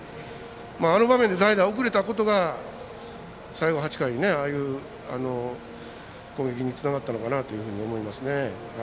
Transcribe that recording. あの場面で代打を送れたことが最後８回にああいう攻撃につながったと思いますね。